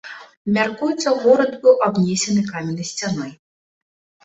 Мяркуецца, горад быў абнесены каменнай сцяной.